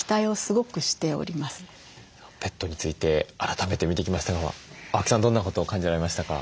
ペットについて改めて見てきましたが青木さんどんなことを感じられましたか？